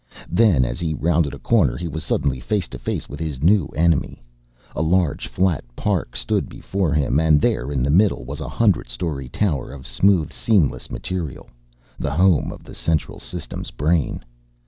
Then, as he rounded a corner, he was suddenly face to face with his new enemy. A large flat park stood before him and there in the middle was a hundred story tower of smooth seamless material, the home of the Central System's brain.